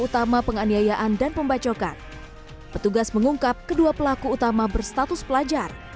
utama penganiayaan dan pembacokan petugas mengungkap kedua pelaku utama berstatus pelajar